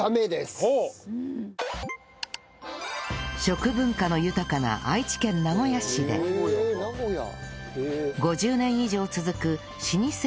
食文化の豊かな愛知県名古屋市で５０年以上続く老舗中国料理店ピカイチ